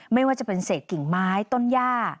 ไม่ว่าจะเป็นเศษกิ่งไม้ต้นย่า